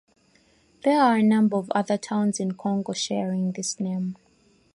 There are a number of other towns in Congo sharing this name.